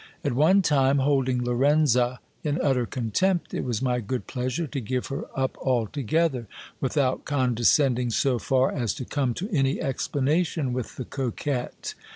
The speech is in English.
At one time, holding Lorenza in utter contempt, it was my good pleasure to give her up altogether, without condescending so far as to come to any explanation with the coquette.